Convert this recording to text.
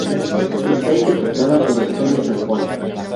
Está interpretada por Antonia San Juan.